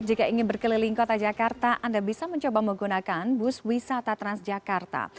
jika ingin berkeliling kota jakarta anda bisa mencoba menggunakan bus wisata transjakarta